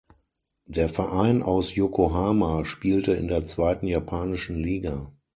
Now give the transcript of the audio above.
Der Verein aus Yokohama spielte in der zweiten japanischen Liga.